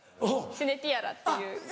シネティアラっていう。